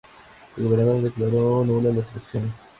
El gobernador declaró nulas las elecciones.